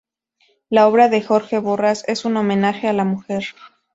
La obra de Jorge Borrás es un homenaje a la mujer.